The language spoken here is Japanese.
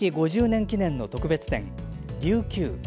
５０年記念の特別展「琉球」。